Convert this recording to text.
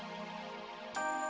mereka kembali lagi beautiful